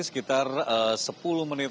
sekitar sepuluh menit